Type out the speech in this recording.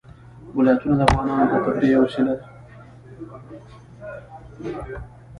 ولایتونه د افغانانو د تفریح یوه وسیله ده.